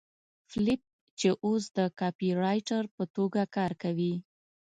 فیلیپ چې اوس د کاپيرایټر په توګه کار کوي